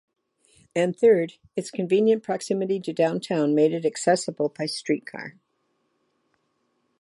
And third, its convenient proximity to downtown made it accessible by streetcar.